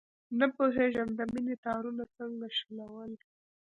نه پوهېږم، د مینې تارونه څنګه شلول.